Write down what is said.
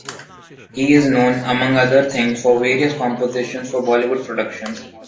He is known, among other things, for various compositions for Bollywood productions.